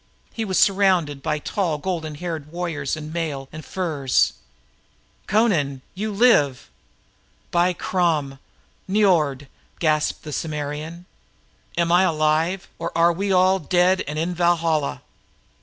He was surrounded by tall golden haired warriors in mail and furs. "Amra! You live!" "By Crom, Niord," gasped he, "am I alive, or are we all dead and in Valhalla?"